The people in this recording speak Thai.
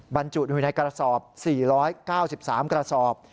บรรจุในวินัยกระสอบ๔๙๓กระสอบ